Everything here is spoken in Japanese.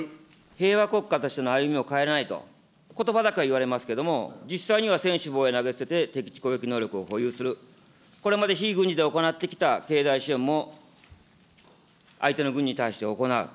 平和国家としての歩みを変えないと、ことばだけは言われますけれども、実際には専守防衛投げ捨てて、敵基地攻撃能力を保有する、これまで非軍事で行ってきた経済支援も相手の軍に対して行う。